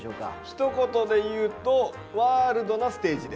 ひと言で言うと「ＷＯＲＬＤ」なステージ？